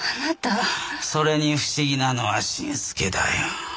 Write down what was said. それに不思議なのは新助だよ。